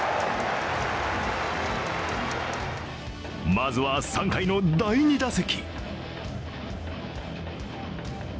まずは、３回の第２打席。